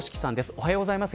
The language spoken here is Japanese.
おはようございます。